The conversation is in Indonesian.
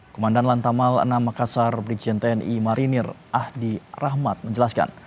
komandan lantamal enam makassar brigjen tni marinir ahdi rahmat menjelaskan